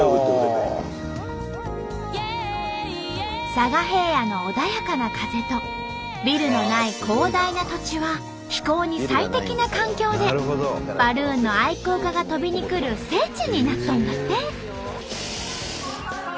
佐賀平野の穏やかな風とビルのない広大な土地は飛行に最適な環境でバルーンの愛好家が飛びに来る聖地になっとんだって！